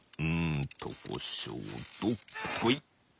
うんとこしょどっこい。